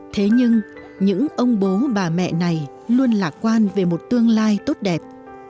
thế nhưng những ông bố bà mẹ này luôn lạc quan về một tương lai tốt đẹp